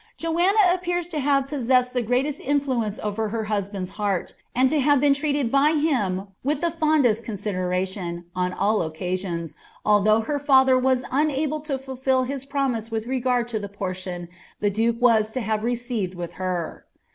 Joanna appears to have possessed the greatest influence owwr ktr In^ baiid's heart, and to have been treated by him with the fciMlm MMi deration, on all occasions, although her Cither was uiMtUe to MS to firomiK with regard to the portion the duke was to have reetitaj wiA ler.